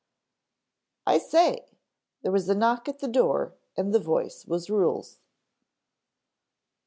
"I say," there was a knock at the door and the voice was Ruhel's.